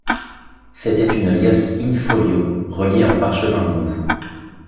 C’était une liasse in-folio, reliée en parchemin mou.